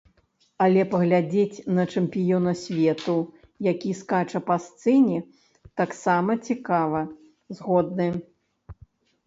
Але паглядзець на чэмпіёна свету, які скача па сцэне, таксама цікава, згодны.